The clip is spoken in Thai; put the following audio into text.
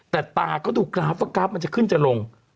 แต่ตาก็ดูกราฟว่ากราฟมันจะขึ้นจะลง